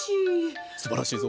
すばらしい。